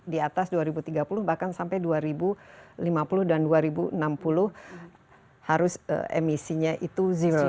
di atas dua ribu tiga puluh bahkan sampai dua ribu lima puluh dan dua ribu enam puluh harus emisinya itu sebelas